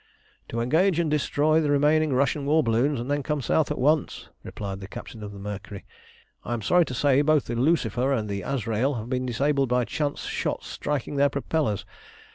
"To engage and destroy the remaining Russian war balloons, and then come south at once," replied the captain of the Mercury. "I am sorry to say both the Lucifer and the Azrael have been disabled by chance shots striking their propellers.